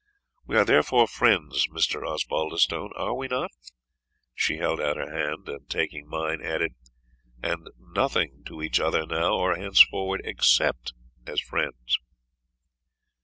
We are therefore friends, Mr. Osbaldistone are we not?" She held out her hand, and taking mine, added "And nothing to each other now, or henceforward, except as friends."